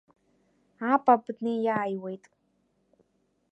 Апап днеиааиуеит.